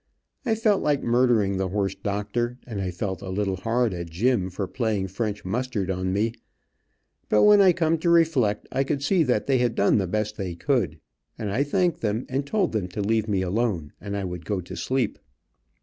I felt like murdering the horse doctor, and I felt a little hard at Jim for playing French mustard on me, but when I come to reflect, I could see that they had done the best they could, and I thanked them, and told them to leave me alone and I would go to sleep.